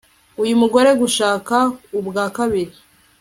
uyu mugore gushaka ubwa kabiri